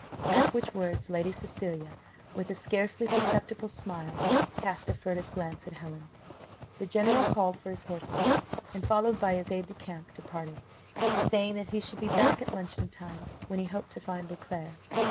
At which words Lady Cecilia, with a scarcely perceptible smile, cast a furtive glance at Helen. The general called for his horses, and, followed by his aide de camp, departed, saying that he should be back at luncheon time, when he hoped to find Beauclerc.